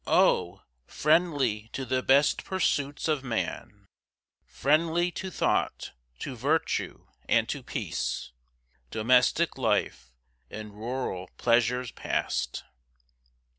Oh! friendly to the best pursuits of man, Friendly to thought, to virtue and to peace, Domestic life in rural pleasures past!